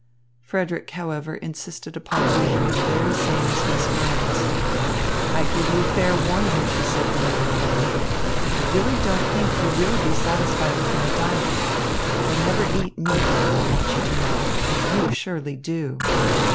Frederick, however, insisted upon ordering the very same as Miss Burns. "I give you fair warning," she said when they were alone, "I really don't think you will be satisfied with my diet. I never eat meat, I want you to know, and you surely do."